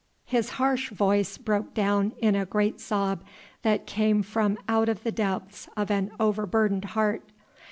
'" His harsh voice broke down in a great sob that came from out the depths of an overburdened heart.